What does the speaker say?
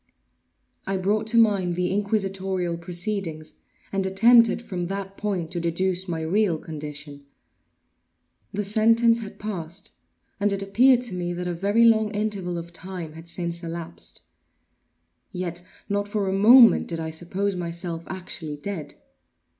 I brought to mind the inquisitorial proceedings, and attempted from that point to deduce my real condition. The sentence had passed; and it appeared to me that a very long interval of time had since elapsed. Yet not for a moment did I suppose myself actually dead.